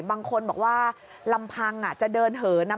บางคนบอกว่าลำพังจะเดินเหินนะ